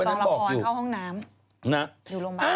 อยู่โรงพยาบาล